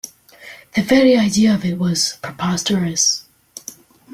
The very idea of it was preposterous.